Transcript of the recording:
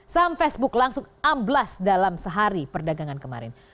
saham facebook langsung amblas dalam sehari perdagangan kemarin